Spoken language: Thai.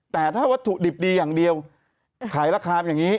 แต่ถ้าวัตถุดิบดีอย่างเดียวขายราคาอย่างนี้